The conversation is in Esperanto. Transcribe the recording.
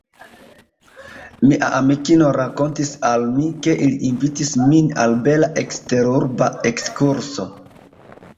Mia amikino rakontis al mi, ke ili invitis vin al bela eksterurba ekskurso.